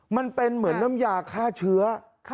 มันเป็นเหมือนน้ำยาฆ่าเชื้อ